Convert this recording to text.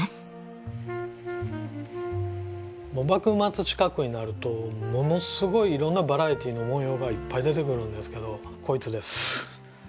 幕末近くになるとものすごいいろんなバラエティーの模様がいっぱい出てくるんですけどこいつです蛙。